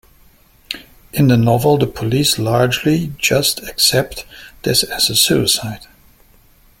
In the novel the police largely just accept this as a suicide.